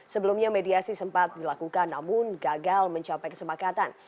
sebelumnya mediasi sempat dilakukan namun gagal mencapai kesepakatan